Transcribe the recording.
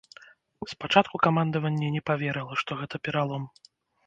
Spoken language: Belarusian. Спачатку камандаванне не паверыла, што гэта пералом.